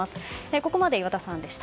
ここまで岩田さんでした。